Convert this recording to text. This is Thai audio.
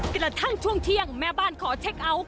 กระทั่งช่วงเที่ยงแม่บ้านขอเช็คเอาท์